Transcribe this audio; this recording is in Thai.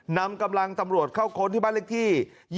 นำกำลังตำรวจเข้าค้นที่บ้านเลขที่๒๒